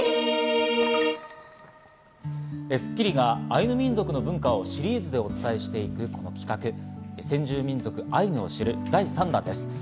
『スッキリ』がアイヌ民族の文化をシリーズでお伝えしていく企画、先住民族アイヌを知る第３弾です。